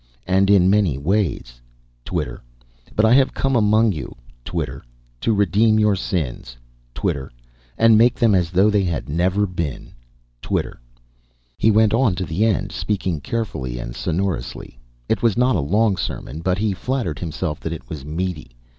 " and in many ways." Twitter. "But I have come among you " Twitter. " to redeem your sins " Twitter. " and make them as though they had never been." Twitter. He went on to the end, speaking carefully and sonorously. It was not a long sermon, but He flattered Himself that it was meaty.